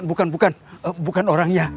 bukan bukan orangnya